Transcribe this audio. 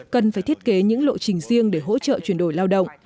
cần phải thiết kế những lộ trình riêng để hỗ trợ